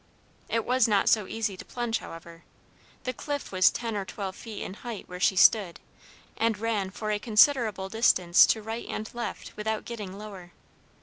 It was not so easy to plunge, however. The cliff was ten or twelve feet in height where she stood, and ran for a considerable distance to right and left without getting lower.